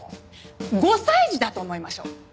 ５歳児だと思いましょう。